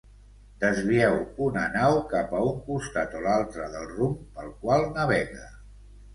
Desvieu una nau cap a un costat o l'altre del rumb pel qual navega.